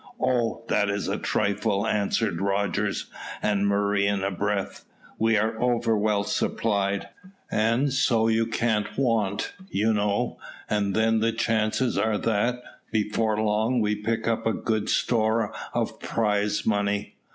"Oh, that is a trifle," answered Rogers and Murray in a breath. "We are over well supplied, and so you can't want, you know; and then the chances are that, before long, we pick up a good store of prize money."